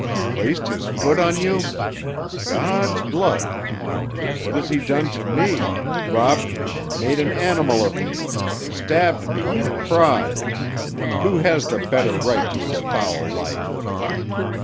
"Placed his foot on you? God's blood! What has he done to me—robbed me, made an animal of me, stabbed me with a prod! Who has the better right to his foul life?"